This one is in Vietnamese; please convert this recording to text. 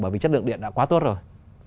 bởi vì chất lượng điện đã quá tốt rồi